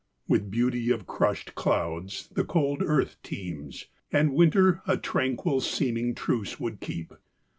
With beauty of crushed clouds the cold earth teems, And winter a tranquil seeming truce would keep.